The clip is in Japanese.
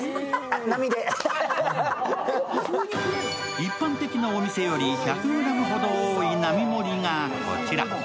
一般的なお店より１００ｇほど多い並盛りがこちら。